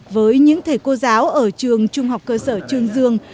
với những thể cô giáo ở trường trung học cơ sở trường dương